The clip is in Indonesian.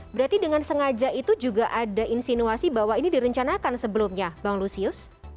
berarti dengan sengaja itu juga ada insinuasi bahwa ini direncanakan sebelumnya bang lusius